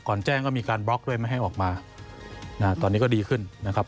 แจ้งก็มีการบล็อกด้วยไม่ให้ออกมาตอนนี้ก็ดีขึ้นนะครับ